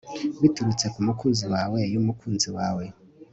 Biturutse ku mukunzi wawe yumukunzi wawe